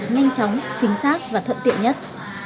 nhanh chóng chính xác và thuận tiện nhất